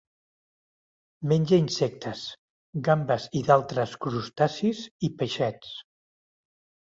Menja insectes, gambes i d'altres crustacis, i peixets.